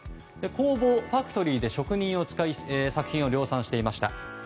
工房、ファクトリーで職人を使い作品を量産していました。